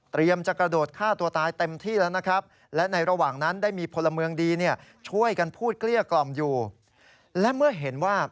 เตรียมจะกระโดดฆ่าตัวตายเต็มที่แล้วนะครับ